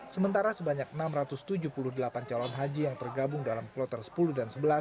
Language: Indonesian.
sementara sebanyak enam ratus tujuh puluh delapan calon haji yang tergabung dalam kloter sepuluh dan sebelas